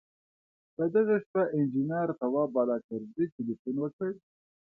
په دغه شپه انجنیر تواب بالاکرزی تیلفون وکړ.